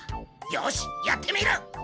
よしやってみる！